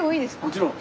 もちろん。